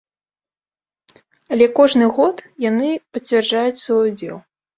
Але кожны год яны пацвярджаюць свой удзел.